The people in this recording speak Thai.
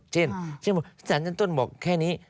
เช่นสารชั้นต้นบอกแค่นี้